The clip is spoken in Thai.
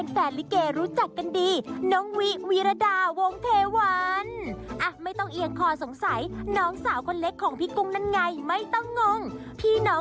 งานนี้มีแยงซีน